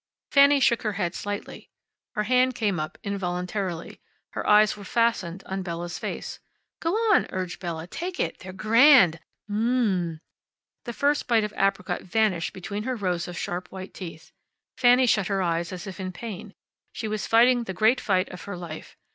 Fanny shook her head slightly. Her hand came up involuntarily. Her eyes were fastened on Bella's face. "Go on," urged Bella. "Take it. They're grand! M m m m!" The first bite of apricot vanished between her rows of sharp white teeth. Fanny shut her eyes as if in pain. She was fighting the great fight of her life.